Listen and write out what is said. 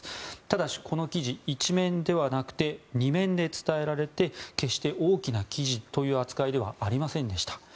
ただし、この記事は１面ではなくて２面で伝えられて決して大きな記事という扱いではありませんでした。